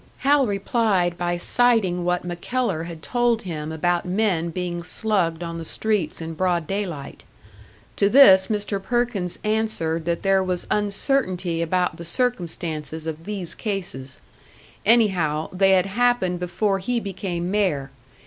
Hal replied by citing what MacKellar had told him about men being slugged on the streets in broad day light. To this Mr. Perkins answered that there was uncertainty about the circumstances of these cases; anyhow, they had happened before he became mayor.